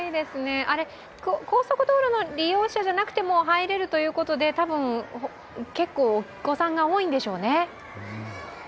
高速道路の利用者じゃなくても入れるということで多分、結構お子さんが多いんでしょうね。